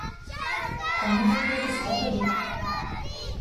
Таму так і напісаў тады.